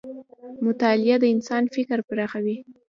مطالعه د انسان فکر پراخوي.